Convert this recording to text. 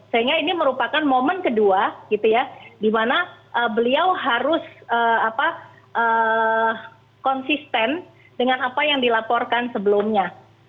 sehingga ini merupakan momen kedua di mana beliau harus konsisten dengan apa yang dilaporkan sebelumnya